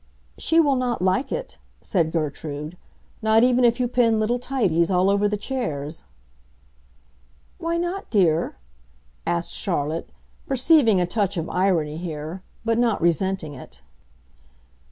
"She will not like it," said Gertrude; "not even if you pin little tidies all over the chairs." "Why not, dear?" asked Charlotte, perceiving a touch of irony here, but not resenting it.